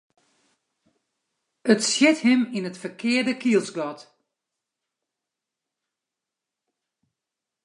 It sjit him yn it ferkearde kielsgat.